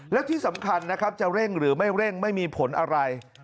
และที่สำคัญนะครับจะเร่งหรือไม่เร่งไม่มีผลอะไร